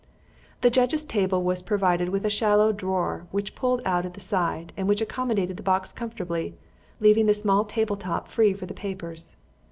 The judge's table was provided with a shallow drawer which pulled out at the side and which accommodated the box comfortably, leaving the small table top free for the papers.